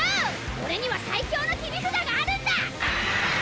俺には最強の切り札があるんだ！